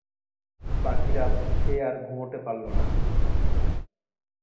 বাকি রাত সে আর ঘুমোতে পারল না।